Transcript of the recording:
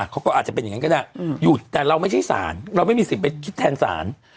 เขาก็อาจจะเป็นอย่างนั้นก็ได้อยู่แต่เราไม่ใช่ศาลเราไม่มีสิทธิ์ไปคิดแทนศาล